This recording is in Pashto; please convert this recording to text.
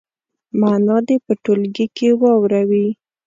معنا دې په ټولګي کې واوروي.